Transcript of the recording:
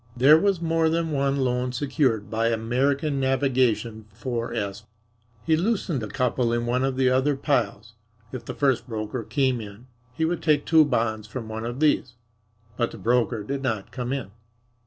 There was more than one loan secured by American Navigation 4s. He loosened a couple in one of the other piles. If the first broker came in he would take two bonds from one of these. But the broker did not come in.